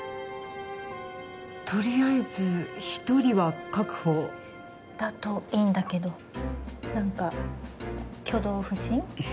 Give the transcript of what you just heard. とりあえず一人は確保だといいんだけど何か挙動不審